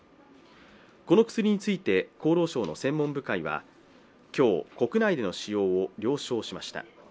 この薬について、厚労省の専門部会は今日国内の使用を了承しました。